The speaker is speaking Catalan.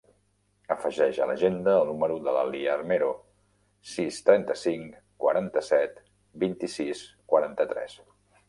Afegeix a l'agenda el número de la Lia Armero: sis, trenta-cinc, quaranta-set, vint-i-sis, quaranta-tres.